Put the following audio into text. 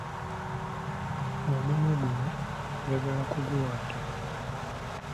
Omunwe guno njagala kuguwaata.